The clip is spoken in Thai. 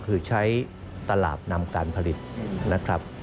คือใช้ตลาดนำการผลิตนะครับ